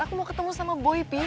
aku mau ketemu sama boy pi